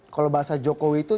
kalau bahasa jokowi itu